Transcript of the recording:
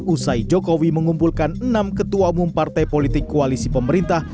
usai jokowi mengumpulkan enam ketua umum partai politik koalisi pemerintah